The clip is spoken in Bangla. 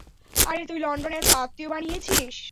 আরে তুই লন্ডনে এত আত্মীয় বানিয়েছিস।